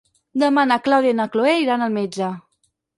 Demà na Clàudia i na Cloè iran al metge.